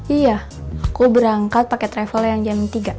iya aku berangkat pakai travel yang jam tiga